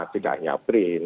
tidak hanya brin